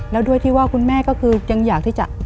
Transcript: แล้วด้วยที่ว่าคุณแม่ก็คือยังอยากที่จะ